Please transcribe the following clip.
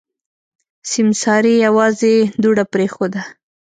سيمسارې يوازې دوړه پرېښوده.